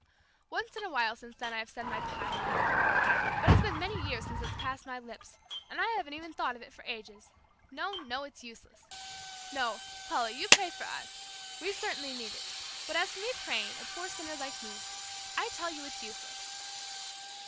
Once in a while since then, I have said my 'paternoster.' But it's been many years since it's passed my lips, and I haven't even thought of it for ages. No, no; it's useless. No, Paula, you pray for us. We certainly need it, but as for me praying a poor sinner like me I tell you it's useless."